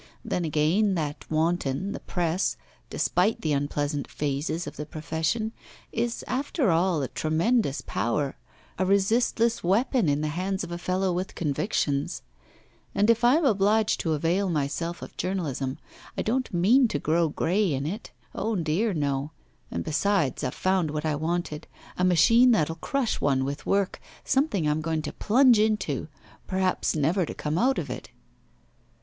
Then, again, that wanton, the Press, despite the unpleasant phases of the profession, is after all a tremendous power, a resistless weapon in the hands of a fellow with convictions. But if I am obliged to avail myself of journalism, I don't mean to grow grey in it! Oh, dear no! And, besides, I've found what I wanted, a machine that'll crush one with work, something I'm going to plunge into, perhaps never to come out of it.